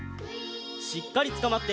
しっかりつかまって。